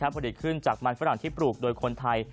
ผลิตขึ้นจากมันฝรั่งที่ปลูกโดยคนไทย